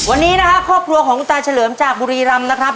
วันนี้นะครับครอบครัวของคุณตาเฉลิมจากบุรีรำนะครับ